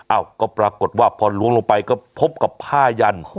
เอ้าก็ปรากฏว่าพอล้วนไปก็พบกับผ้ายันทร์